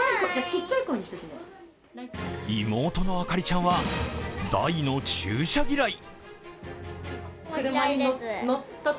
妹の朱倫ちゃんは大の注射嫌い。